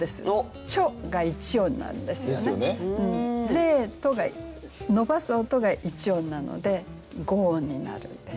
「レート」が伸ばす音が一音なので五音になるんです。